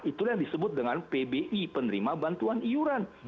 itulah yang disebut dengan pbi penerima bantuan iuran